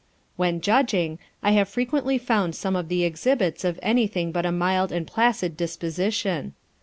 When judging, I have frequently found some of the exhibits of anything but a mild and placid disposition.